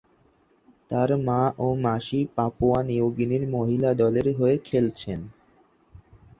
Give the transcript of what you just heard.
তার মা ও মাসি পাপুয়া নিউগিনির মহিলা দলের হয়ে খেলছেন।